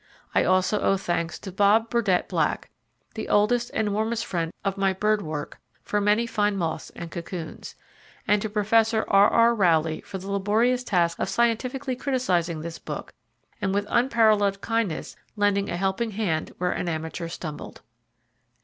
I also owe thanks to Bob Burdette Black, the oldest and warmest friend of my bird work, for many fine moths and cocoons, and to Professor R. R. Rowley for the laborious task of scientifically criticizing this book and with unparalleled kindness lending a helping hand where an amateur stumbled.